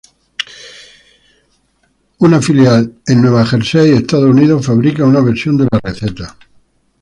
Una filial en Nueva Jersey, Estados Unidos, fabrica una versión de la receta.